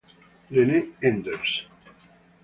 René Enders